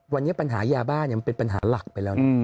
วันนี้ปัญหายาบ้ามันเป็นปัญหาหลักไปแล้วนะ